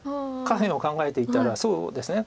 下辺を考えていたらそうですね。